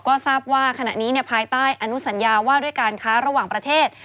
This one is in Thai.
ก็ทราบว่าขณะนี้ภายใต้อนุสัญญาว่าด้วยการค้าระหว่างประเทศ